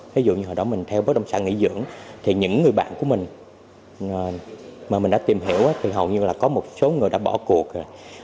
ví dụ như hồi đó mình theo bất động sản nghỉ dưỡng thì những người bạn của mình mà mình đã tìm hiểu thì hầu như là có một số người đã bỏ cuộc rồi